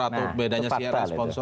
atau bedanya siara sponsor